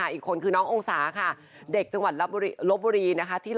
อีกคนคือน้ององสาเด็กจังหวัดรบบุรี